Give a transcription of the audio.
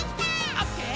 「オッケー！